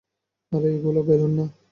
আরে এইগুলা বেলুন না।